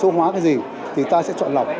số hóa cái gì thì ta sẽ chọn lọc